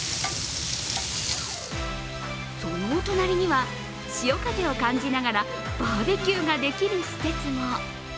そのお隣には、潮風を感じながらバーベキューができる施設も。